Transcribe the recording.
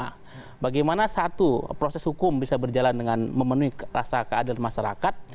nah bagaimana satu proses hukum bisa berjalan dengan memenuhi rasa keadilan masyarakat